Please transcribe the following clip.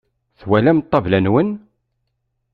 Twalam ṭṭabla-nwen?